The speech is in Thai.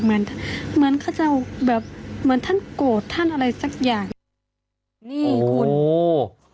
เหมือนเหมือนเขาจะแบบเหมือนท่านโกรธท่านอะไรสักอย่างนี่คุณโอ้